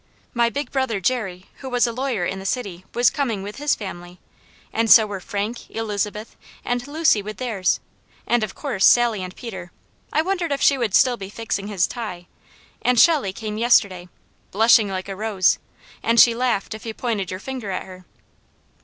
My big brother, Jerry, who was a lawyer in the city, was coming with his family, and so were Frank, Elizabeth, and Lucy with theirs, and of course Sally and Peter I wondered if she would still be fixing his tie and Shelley came yesterday, blushing like a rose, and she laughed if you pointed your finger at her.